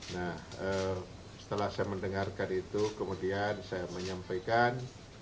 nah setelah saya mendengarkan itu kemudian saya menyampaikan